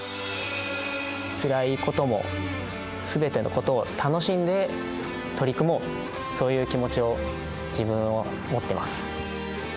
つらいことも、全てのことを楽しんで取り組もう、取り組もう、そういう気持ちを自分は持ってます。